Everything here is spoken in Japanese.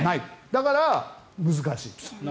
だから、難しい。